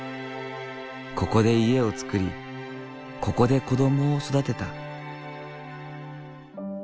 ここで家をつくりここで子供を育てた。